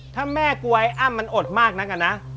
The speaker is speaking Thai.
ถ้าแม่กลัวไอ้อ้ำมันอดมากนักอะนะ